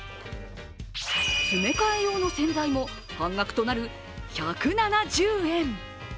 詰め替え用の洗剤も半額となる１７０円。